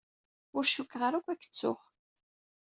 Ur cukkteɣ ara akk ad k-ttuɣ.